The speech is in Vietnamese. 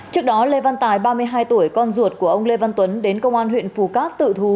trước đó lê văn tài ba mươi hai tuổi con ruột của ông lê văn tuấn đến công an huyện phù cát tự thú